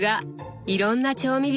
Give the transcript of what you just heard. いろんな調味料が。